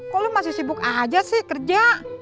kok lu masih sibuk aja sih kerja